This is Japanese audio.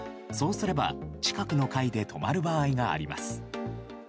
そうすれば近くの階で止まる場合があります。